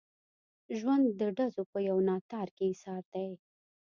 ژوند د ډزو په یو ناتار کې ایسار دی.